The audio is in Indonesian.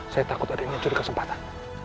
saya takut ada yang mencuri kesempatan